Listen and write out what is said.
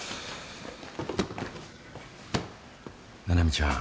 七海ちゃん